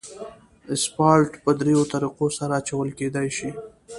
اسفالټ په دریو طریقو سره اچول کېدای شي